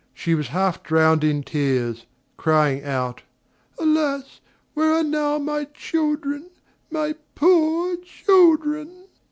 She was half drowned in tears, crying out: "Alas! where are now my children, my poor children?"